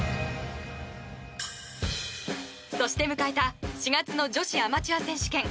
そして迎えた４月の女子アマチュア選手権。